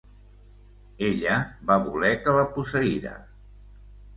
Ella va voler que la posseïra.